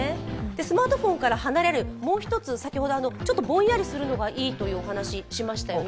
スマートフォンから離れるもう１つ先ほどぼんやりするのがいいというお話をしましたよね。